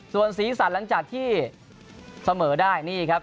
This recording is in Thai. ส่วนสีสันหลังจากที่เสมอได้นี่ครับ